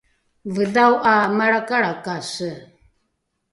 vedhao ’a malrakalrakase